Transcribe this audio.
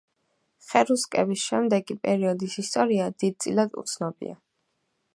ხერუსკების შემდეგი პერიოდის ისტორია დიდწილად უცნობია.